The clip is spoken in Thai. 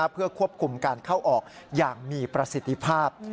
เพื่อควบคุมการเข้าออกอย่างมีประสิทธิภาพ